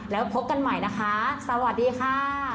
แล้วพบกันใหม่นะคะสวัสดีค่ะ